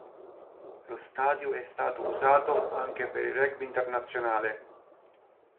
Lo stadio è stato usato anche per il rugby internazionale.